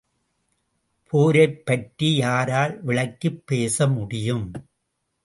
போரைப் பற்றி யாரால் விளக்கிப் பேச முடியும்?